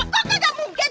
kok gak mungkin